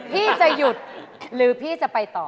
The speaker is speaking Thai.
พี่จะหยุดหรือพี่จะไปต่อ